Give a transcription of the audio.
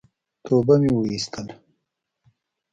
توبه مي واېستله !